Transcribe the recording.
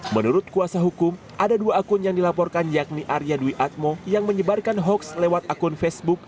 menurut kuasa hukum ada dua akun yang dilaporkan yakni arya dwi atmo yang menyebarkan hoax lewat akun facebook